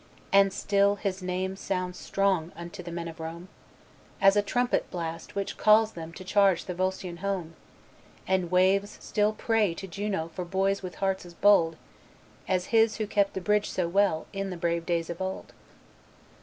And still his name sounds strong unto the men of Rome, As a trumpet blast which calls to them to charge the Volsian home; And wives still pray to Juno for boys with hearts as bold As his who kept the bridge so well In the brave days of old.